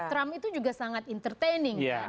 trump itu juga sangat entertaining